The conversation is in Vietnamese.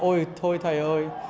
ôi thôi thầy ơi